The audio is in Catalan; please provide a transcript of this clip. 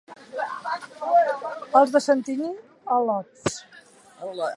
Els de Santanyí, al·lots.